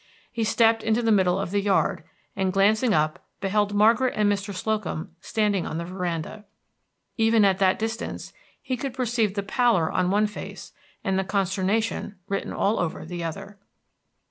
He stepped into the middle of the yard, and glancing up beheld Margaret and Mr. Slocum standing on the veranda. Even at that distance he could perceive the pallor on one face, and the consternation written all over the other.